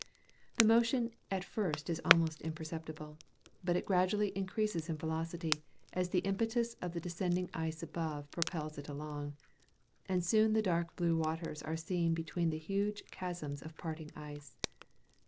The motion at first is almost imperceptible, but it gradually increases in velocity, as the impetus of the descending ice above propels it along; and soon the dark blue waters are seen between the huge chasms of the parting ice.